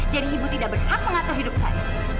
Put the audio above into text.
jadi ibu tidak berhak mengatau hidup saya